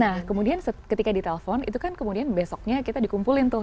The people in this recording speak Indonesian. nah kemudian ketika ditelepon itu kan kemudian besoknya kita dikumpulin tuh